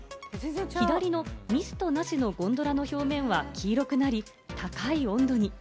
左のミストなしのゴンドラの表面は黄色くなり、高い温度に。